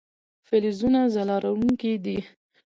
فلزونه ځلا لرونکي دي.